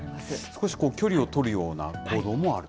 少し距離を取るような行動もあると。